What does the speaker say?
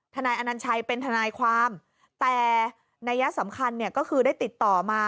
นายอนัญชัยเป็นทนายความแต่นัยสำคัญเนี่ยก็คือได้ติดต่อมา